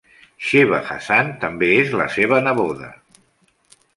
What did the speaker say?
Sheeba Hasan també és la seva neboda.